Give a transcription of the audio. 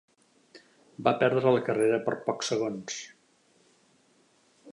Va perdre la carrera per pocs segons.